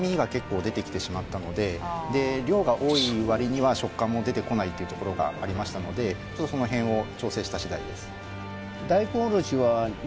やっぱりで量が多い割には食感も出てこないというところがありましたのでちょっとその辺を調整した次第です